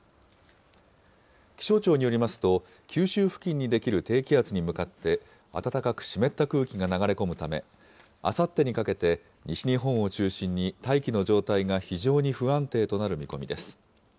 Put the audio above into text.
気象庁によりますと、九州付近に出来る低気圧に向かって、暖かく湿った空気が流れ込むため、あさってにかけて西日本を中心に大気の状態が非常に不安定となる見込みです。